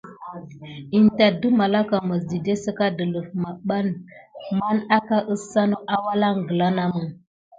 In tat də malaka məs dide səka dələf maɓanbi man aka əsən walangla namə.